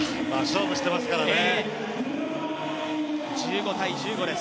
勝負してますからね。